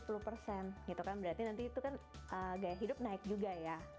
berarti nanti itu kan gaya hidup naik juga ya